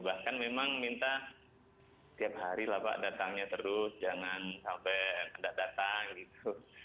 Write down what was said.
bahkan memang minta tiap hari lah pak datangnya terus jangan sampai tidak datang gitu